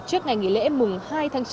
trước ngày nghỉ lễ mùng hai tháng chín